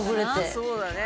そうだね。